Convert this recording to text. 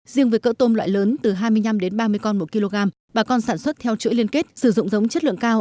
riêng với cỡ tôm loại lớn từ hai mươi năm ba mươi con một kg bà con sản xuất theo chuỗi liên kết sử dụng giống chất lượng cao